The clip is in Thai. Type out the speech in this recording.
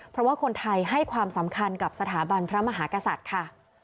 เพราะว่าคนไทยให้ความสำคัญกับสถาบันพระมหากษัตริย์ค่ะ